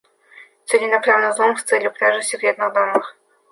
Целенаправленный взлом с целью кражи секретных данных